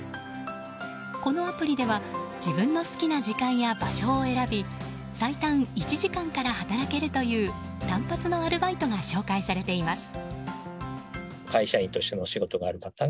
このアプリでは自分の好きな時間や場所を選び最短１時間から働けるという単発のアルバイトが紹介されています。